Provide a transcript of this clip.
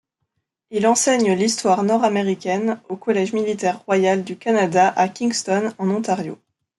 Il enseigne l'histoire nord-américaine au Collège militaire royal du Canada à Kingston, en Ontario.